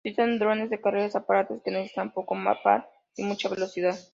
Se utilizan en drones de carreras, aparatos que necesitan poco par y mucha velocidad.